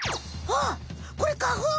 あこれ花粉！？